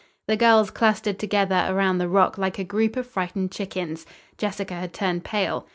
The girls clustered together around the rock like a group of frightened chickens. Jessica had turned pale.